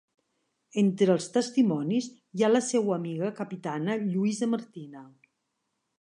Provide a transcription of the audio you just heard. Entre els testimonis hi ha la seua antiga capitana Lluïsa Martina.